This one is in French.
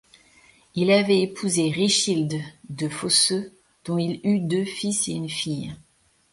Il avait épousé Richilde de Fosseux dont il eut deux fils et une fille.